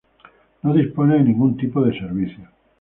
No dispone de ningún tipo de servicios.